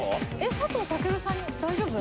佐藤健さんに大丈夫？